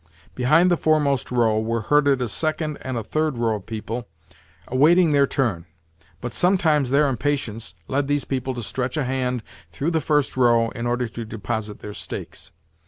Behind the foremost row were herded a second and a third row of people awaiting their turn; but sometimes their impatience led these people to stretch a hand through the first row, in order to deposit their stakes.